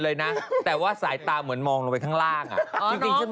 เลยน่ะแต่ว่าสายตาเหมือนมองลงไปข้างล่างอ่าจริงฉัน